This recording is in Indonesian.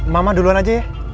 mama duluan aja ya